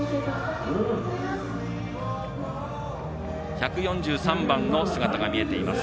１４３番の姿が見えています。